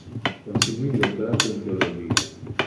Conseguì il dottorato in teologia.